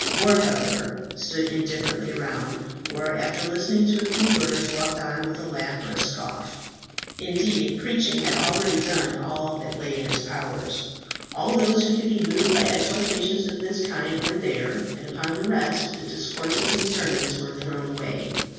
More, however, stood indifferently round, or after listening to a few words walked on with a laugh or a scoff; indeed preaching had already done all that lay in its power. All those who could be moved by exhortations of this kind were there, and upon the rest the discourses and sermons were thrown away.